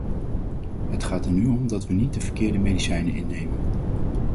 Het gaat er nu om dat we niet de verkeerde medicijnen innemen.